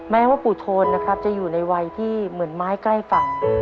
แม้ว่าปู่โทนนะครับจะอยู่ในวัยที่เหมือนไม้ใกล้ฝั่ง